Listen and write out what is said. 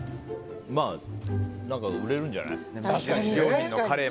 まあ、売れるんじゃない？